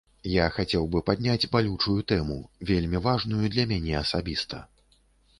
Я хацеў бы падняць балючую тэму, вельмі важную для мяне асабіста.